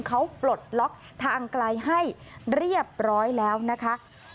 เขาปลดล็อกทางไกลให้เรียบร้อยแล้วนะคะ